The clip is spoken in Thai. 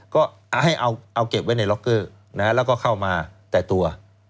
ก็ให้เอาเก็บไว้ในล็อกเกอร์แล้วก็เข้ามาแต่ตัว